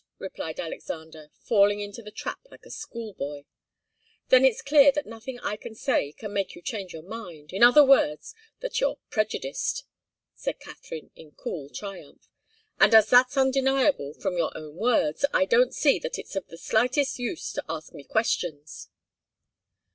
replied Alexander, falling into the trap like a school boy. "Then it's clear that nothing I can say can make you change your mind in other words, that you're prejudiced," said Katharine, in cool triumph. "And as that's undeniable, from your own words, I don't see that it's of the slightest use to ask me questions."